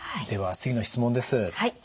では次の質問です。